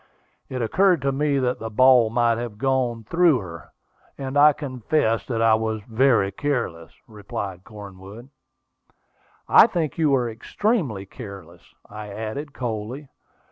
It occurred to me that the ball might have gone through her, and I confess that I was very careless," replied Cornwood. "I think you were, extremely careless," I added coldly.